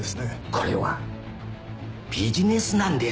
これはビジネスなんです。